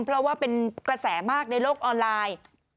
เพราะว่าเป็นกระแสมากในโลกออนไลน์